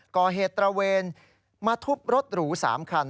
ก่อเหตุตระเวนมาทุบรถหรู๓คัน